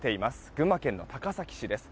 群馬県の高崎市です。